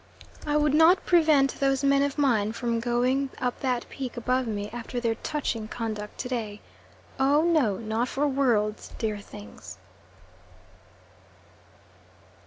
I would not prevent those men of mine from going up that peak above me after their touching conduct to day. Oh! no; not for worlds, dear things.